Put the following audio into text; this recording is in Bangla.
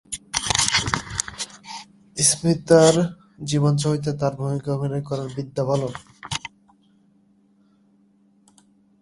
স্মিতার জীবনছবিতে তাঁর ভূমিকায় অভিনয় করেন বিদ্যা বালন।